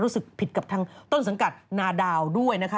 รู้สึกผิดกับทางต้นสังกัดณเดียกด้วย